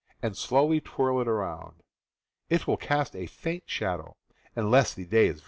and slowly twirl it around. It will ^.. cast a faint shadow, unless the day is Guides.